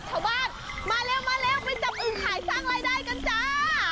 ชาวบ้านมาเร็วไปจับอึงขายยากไลน์ได้กันจ้า